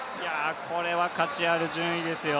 これは価値ある順位ですよ。